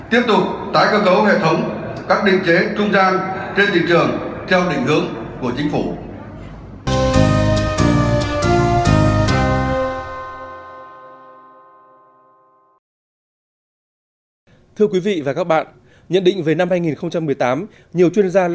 tiếp tục tái cơ cấu hệ thống